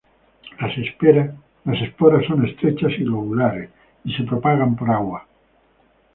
Las esporas son estrechas y globulares, y se propagan por agua.